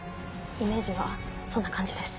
イメージはそんな感じです。